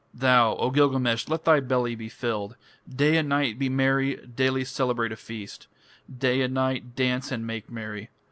Thou, O Gilgamesh, let thy belly be filled! Day and night be merry, Daily celebrate a feast, Day and night dance and make merry!